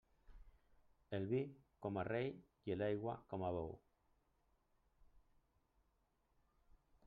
El vi com a rei i l'aigua com a bou.